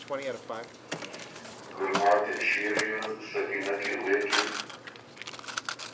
ګلماتی ل ݭيې ریوز سکینه کی غوېکِن۔